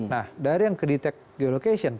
nah dari yang ke detect geolocation